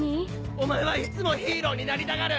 お前はいつもヒーローになりたがる！